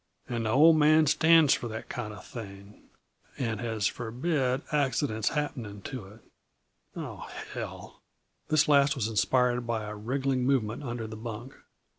And the Old Man stands for that kind uh thing and has forbid accidents happening to it oh, hell!" This last was inspired by a wriggling movement under the bunk.